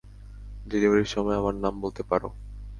ডেলিভারির সময় আমার নাম বলতে পার।